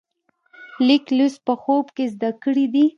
لیک لوست په خوب کې زده کړی دی.